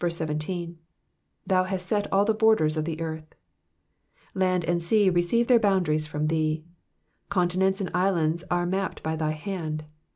17. Thou hast set all the borders of the earth,'''' Land and sea receive their 1>oundaries from thee. Continents and islands are mnpped by thy hand.